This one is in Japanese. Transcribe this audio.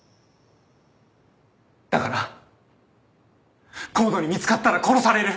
だからＣＯＤＥに見つかったら殺される。